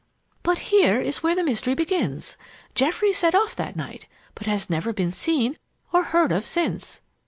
"But here is where the mystery begins. Geoffrey set off that night, but has never been seen or heard of since.